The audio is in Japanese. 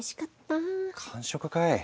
完食かい！